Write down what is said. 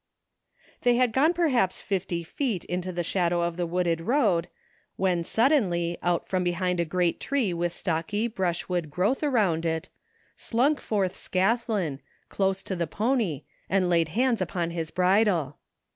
They had gone perhaps fifty feet into the shadow of the wooded road when suddenly, out from behind a great tree with stocky, brushwood growth around it, sltmk forth Scathlin, dose to the pony, and laid hands upon his bridle.